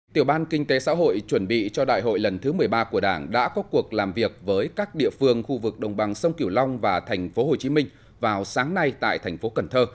tiểu ban kinh tế xã hội chuẩn bị cho đại hội lần thứ một mươi ba của đảng đã có cuộc làm việc với các địa phương khu vực đồng bằng sông kiểu long và thành phố hồ chí minh vào sáng nay tại thành phố cần thơ